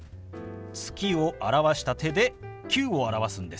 「月」を表した手で「９」を表すんです。